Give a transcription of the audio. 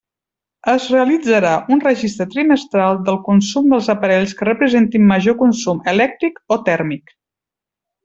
Es realitzarà un registre trimestral del consum dels aparells que representin major consum elèctric o tèrmic.